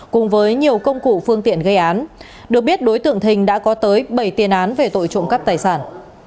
cùng với nhiều công cụ phương tiện gây án được biết đối tượng thình đã có tới bảy tiền án về tội trộm cắp tài sản